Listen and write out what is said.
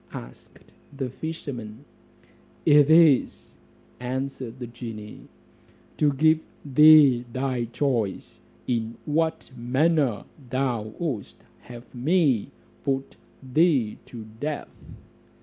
asked the fisherman. "It is," answered the genie, "to give thee thy choice, in what manner thou wouldst have me put thee to death."